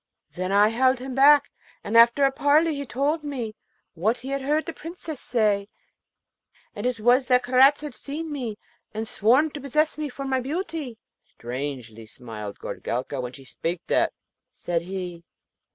Then I held him back, and after a parley he told me what he had heard the Princess say, and it was that Karaz had seen me and sworn to possess me for my beauty. 'Strangely smiled Goorelka when she spake that,' said he.